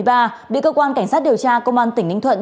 và bị cơ quan cảnh sát điều tra công an tỉnh ninh thuận